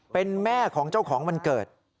เป็นแม่ของเจ้าของวันเกิด